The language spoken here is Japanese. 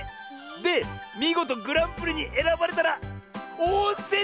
でみごとグランプリにえらばれたらおんせんりょこうだって！